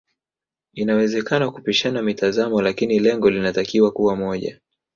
Inawezakana kupishana mitazamo lakini lengo linatakiwa kuwa moja